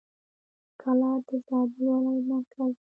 کلات د زابل ولایت مرکز دی.